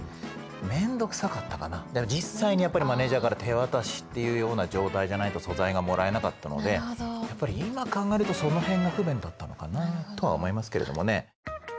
実際にやっぱりマネージャーから手渡しっていうような状態じゃないと素材がもらえなかったのでやっぱり今考えるとその辺が不便だったのかなとは思いますけれどもね。